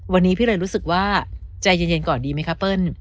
วันนี้พี่เลยรู้สึกว่าใจเย็นก่อนดีไหมคะเปิ้ล